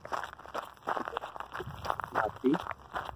جآ مي ڪني آتما ھتي